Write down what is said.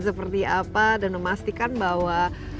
seperti apa dan memastikan bahwa